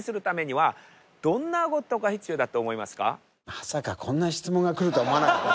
まさかこんな質問が来るとは思わなかった。